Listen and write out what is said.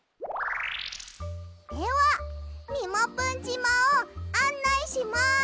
ではみもぷんじまをあんないします。